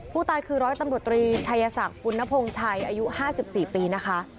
ผู้ตายคือร้อยตำรวจตรีชัยศักดิ์ปุณพงศ์ชัยอายุ๕๔ปีนะคะ